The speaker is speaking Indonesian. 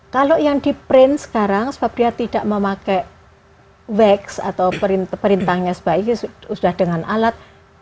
kalau yang di print sekarang sebab dia tidak memakai wax atau perintahnya sebaiknya sudah dengan alat